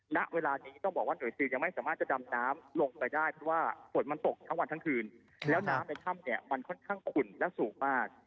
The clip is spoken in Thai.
ณเวลานี้ต้องบอกว่าหน่วยซิลยังไม่สามารถจะดำน้ำลงไปได้เพราะว่าฝนมันตกทั้งวันทั้งคืนแล้วน้ำในถ้ำเนี่ยมันค่อนข้างขุ่นและสูงมาก